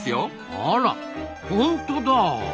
あらほんとだ。